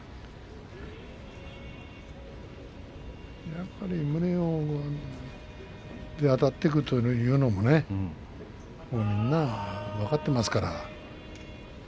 やっぱり胸であたっていくというのもねみんな分かっていますから。